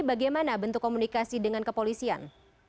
bagaimana bentuk komunikasi dengan kepolisian